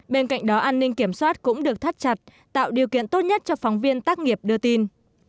bên cạnh đó an ninh kiểm soát cũng được thắt chặt tạo điều kiện tốt nhất cho phóng viên tác nghiệp đưa tin